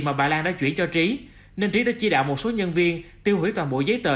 mà bà lan đã chủi cho trí nên trí đã chia đạo một số nhân viên tiêu hủy toàn bộ giấy tờ